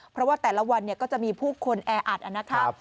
เพราะว่าแต่ละวันก็จะมีผู้คนแออัดนะครับ